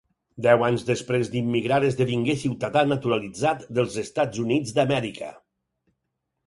Deu anys després d'immigrar esdevingué ciutadà naturalitzat dels Estats Units d'Amèrica.